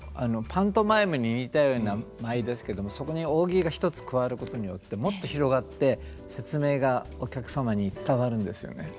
パントマイムに似たような舞ですけどもそこに扇が一つ加わることによってもっと広がって説明がお客様に伝わるんですよね。